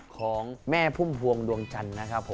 ของแม่พุ่มพวงดวงจันทร์นะครับผม